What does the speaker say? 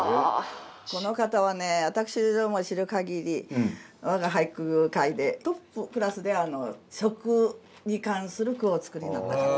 この方はね私の知る限り我が俳句界でトップクラスで食に関する句をお作りになった方。